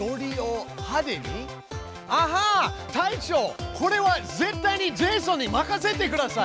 アハ隊長これは絶対にジェイソンに任せてください！